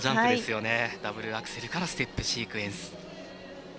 ダブルアクセルからステップシークエンス。